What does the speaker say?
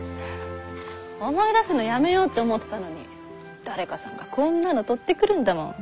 思い出すのやめようって思ってたのに誰かさんがこんなの採ってくるんだもん。